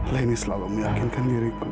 leni selalu meyakinkan diriku